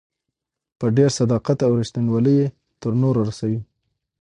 په ډېر صداقت او ريښتينوالۍ يې تر نورو رسوي.